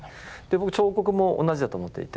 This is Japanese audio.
僕彫刻も同じだと思っていて。